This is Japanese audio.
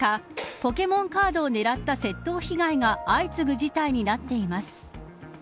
ポケモンカードを狙った窃盗被害が相次ぐ事態になっています。